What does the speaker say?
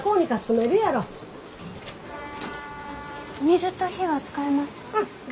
水と火は使えますか？